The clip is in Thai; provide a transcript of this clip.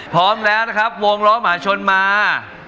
พร้อมแล้วนะครับวงล้อหมาชนมา